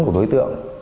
của đối tượng